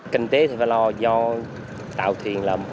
kinh tế phải lo do tạo thiện